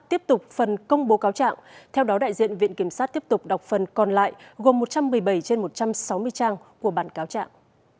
tiếp tục phần công bố cáo trạng theo đó đại diện viện kiểm sát tiếp tục đọc phần còn lại gồm một trăm một mươi bảy trên một trăm sáu mươi trang của bản cáo trạng